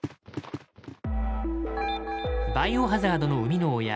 「バイオハザード」の生みの親